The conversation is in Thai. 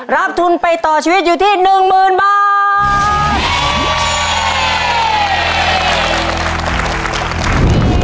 รับทุนไปต่อชีวิตอยู่ที่หนึ่งหมื่นบาท